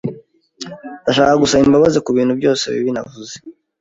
Ndashaka gusaba imbabazi kubintu byose bibi navuze.